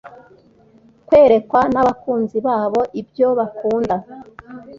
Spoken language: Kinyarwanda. kwerekwa n'abakunzi babo ibyo bakunda